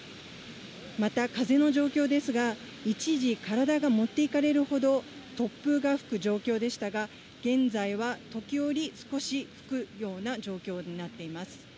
また風の状況ですが、一時、体が持っていかれるほど突風が吹く状況でしたが、現在は時折、少し吹くような状況になっています。